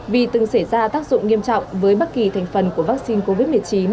vì từng xảy ra tác dụng nghiêm trọng với bất kỳ thành phần của vaccine covid một mươi chín